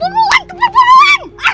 buruan keburu buruan